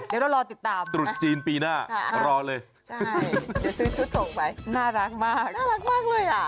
เดี๋ยวเรารอติดตามจุดจีนปีหน้ารอเลยไปน่ารักมากน่ารักมากเลยอ่ะ